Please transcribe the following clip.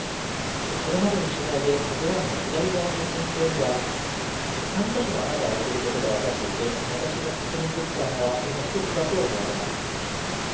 これまでの取材で「ＫＡＺＵⅠ」の左側の船底には３カ所の穴が開いていることが分かっていて私が確認できた穴は、その１つだと思われます。